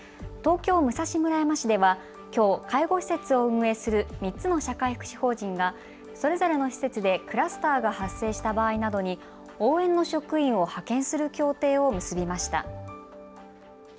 東京武蔵村山市ではきょう介護施設を運営する３つの社会福祉法人がそれぞれの施設でクラスターが発生した場合などに応援の職員を派遣する協定を結びました。